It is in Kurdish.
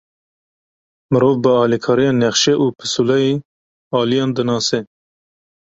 Mirov, bi alîkariya nexşe û pisûleyê aliyan dinase.